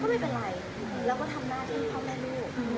ไม่เป็นไรแล้วก็ทำหน้าที่พ่อแม่ลูก